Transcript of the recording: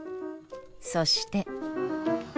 そして。